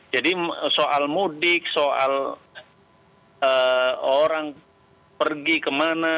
jadi soal mudik soal orang pergi kemana